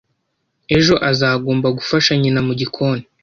Ejo azagomba gufasha nyina mugikoni